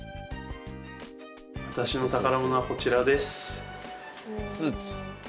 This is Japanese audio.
私の宝物はこちらです。